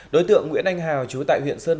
đối tượng nguyễn anh hào chú tại huyện sơn